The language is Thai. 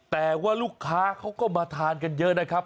แต่ว่าลูกค้าเขาก็มาทานกันเยอะนะครับ